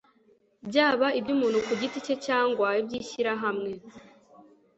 byaba iby'umuntu ku giti cye cyangwa iby'ishirahamwe